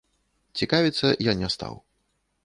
Цікавіцца я не стаў.